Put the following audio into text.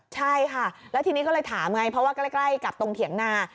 ใช่ค่ะแล้วทีนี้ก็เลยถามไงเพราะว่าใกล้กับตรงเถียงนา